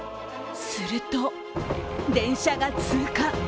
すると電車が通過。